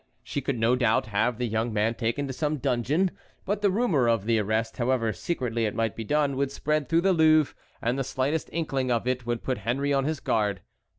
She could, no doubt, have the young man taken to some dungeon, but the rumor of the arrest, however secretly it might be done, would spread through the Louvre, and the slightest inkling of it would put Henry on his guard.